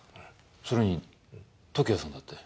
それに時矢さんだって。